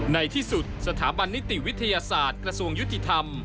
ในที่สุดสถาบันนิติวิทยาศาสตร์กระทรวงยุติธรรม